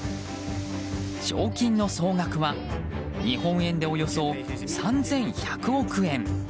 賞金の総額は日本円でおよそ３１００億円。